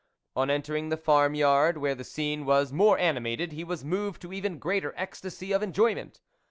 On entering the farm yard, where the scene was more animated, he was moved to even greater ecstasy of enjoyment.